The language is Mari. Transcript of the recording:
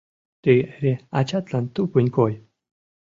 Тый эре ачатлан тупынь кой.